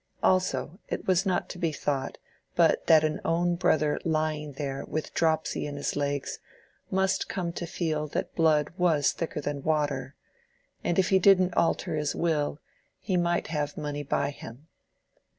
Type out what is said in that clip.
Also it was not to be thought but that an own brother "lying there" with dropsy in his legs must come to feel that blood was thicker than water, and if he didn't alter his will, he might have money by him.